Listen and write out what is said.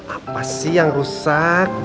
apa sih yang rusak